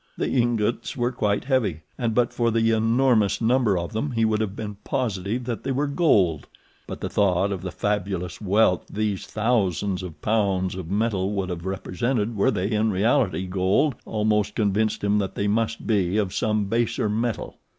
The ingots were quite heavy, and but for the enormous number of them he would have been positive that they were gold; but the thought of the fabulous wealth these thousands of pounds of metal would have represented were they in reality gold, almost convinced him that they must be of some baser metal.